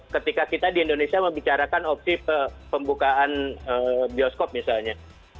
ketika kita di indonesia membicarakan opsi pembukaan bioskop misalnya